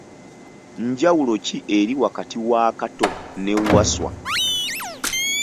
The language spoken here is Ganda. Njawulo ki eri wakati wa Kato ne Wasswa?